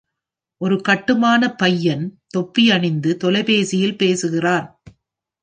ஒரு கட்டுமான பையன் தொப்பியணிந்து தொலைபேசியில் பேசுகிறான்.